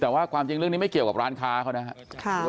แต่ว่าความจริงเรื่องนี้ไม่เกี่ยวกับร้านค้าเขานะครับ